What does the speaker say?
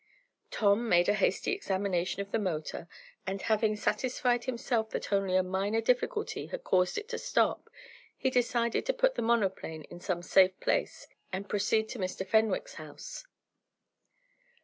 Tom made a hasty examination of the motor, and, having satisfied himself that only a minor difficulty had caused it to stop, he decided to put the monoplane in some safe place, and proceed to Mr. Fenwick's house.